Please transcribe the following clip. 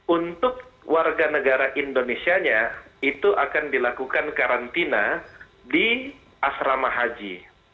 untuk warga negara indonesianya itu akan dilakukan karantina di asrama haji